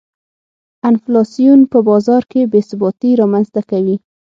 انفلاسیون په بازار کې بې ثباتي رامنځته کوي.